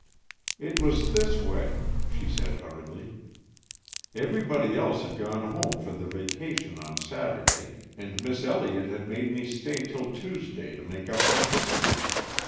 "It was this way," she said, hurriedly. "Everybody else had gone home for the vacation on Saturday, and Miss Elliott had made me stay till Tuesday to make up some history.